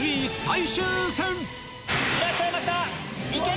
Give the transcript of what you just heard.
いらっしゃいました。